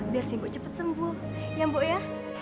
biar simbo cepat sembuh ya mbok ya